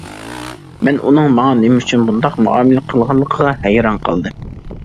مەن ئۇنىڭ ماڭا نېمە ئۈچۈن بۇنداق مۇئامىلە قىلغانلىقىغا ھەيران قالدىم.